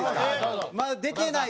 まだ出てない